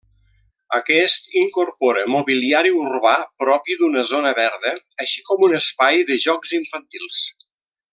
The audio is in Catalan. Aquest incorpora mobiliari urbà propi d’una zona verda així com un espai de jocs infantils.